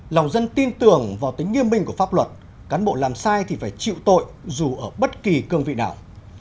lòng dân tin tưởng vào tính nghiêm minh của pháp luật cán bộ làm sai thì phải chịu tội dù ở bất kỳ cương vị nào